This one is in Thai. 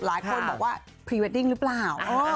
หลายคนบอกว่าพรีเวดดิ้งหรือเปล่า